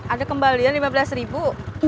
ada kembalian lima belas ribu